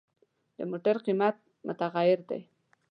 د موټر قیمت متغیر دی.